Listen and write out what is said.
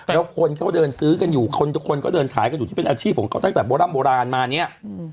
แล้วคนเขาเดินซื้อกันอยู่คนทุกคนก็เดินขายกันอยู่ที่เป็นอาชีพของเขาตั้งแต่โบร่ำโบราณมาเนี่ย